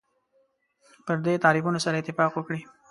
پر دې تعریفونو سره اتفاق وکړي.